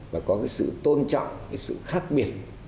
và có cái sự tôn trọng cái sự khác biệt